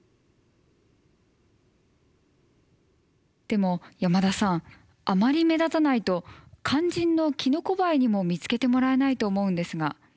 でも山田さんあまり目立たないと肝心のキノコバエにも見つけてもらえないと思うんですが。